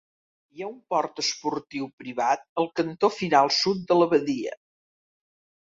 Hi ha un port esportiu privat al cantó final sud de la badia.